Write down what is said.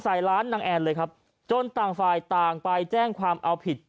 ใส่ร้านนางแอนเลยครับจนต่างฝ่ายต่างไปแจ้งความเอาผิด